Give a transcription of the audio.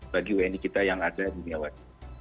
bagi uni kita yang ada di duniawan